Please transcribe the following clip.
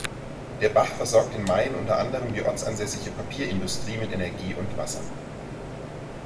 Der Bach versorgte in Mayen unter anderem die ortsansässige Papierindustrie mit Energie und Wasser.